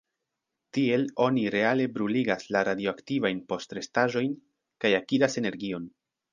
Tiel oni reale bruligas la radioaktivajn postrestaĵojn kaj akiras energion.